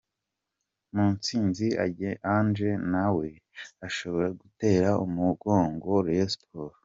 Mutsinzi Ange nawe ashobora gutera umugongo Rayon Sports.